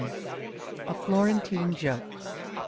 A Florentine Joke.